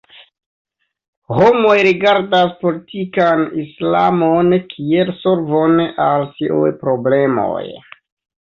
Homoj rigardas politikan Islamon kiel solvon al tiuj problemoj.